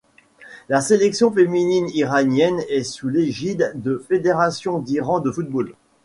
La sélection féminine iranienne est sous l'égide de Fédération d'Iran de football.